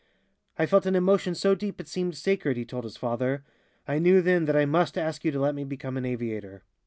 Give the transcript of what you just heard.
"I felt an emotion so deep it seemed sacred," he told his father. "I knew then that I must ask you to let me become an aviator."